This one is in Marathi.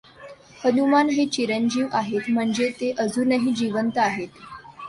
हनुमान हे चिरंजीव आहेत म्हणजे ते अजूनही जिवंत आहेत.